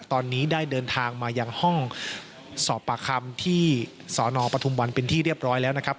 ตอนนี้ได้เดินทางมายังห้องสอบปากคำที่สนปฐุมวันเป็นที่เรียบร้อยแล้วนะครับ